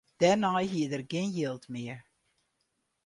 Dêrnei hie er gjin jild mear.